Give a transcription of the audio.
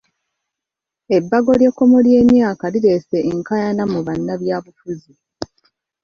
Ebbago ly'ekkomo ly'emyaka lireese enkaayana mu bannabyabufuzi.